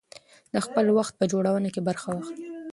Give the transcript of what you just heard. د خپل هېواد په جوړونه کې برخه واخلئ.